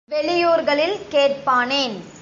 வெளியூர்களில் கேட் பானேன்?